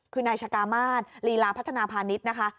คือนายชะกามาศลีลาพัฒนาพาณิชย์นะคะ